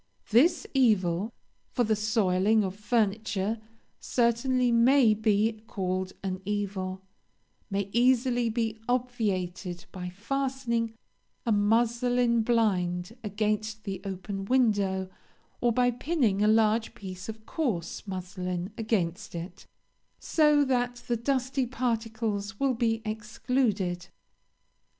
This evil for the soiling of furniture certainly may be called an evil may easily be obviated by fastening a muslin blind against the open window, or by pinning a large piece of coarse muslin against it, so that the dusty particles will be excluded.